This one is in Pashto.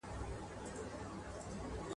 د مځکي نس ته وړل کېږي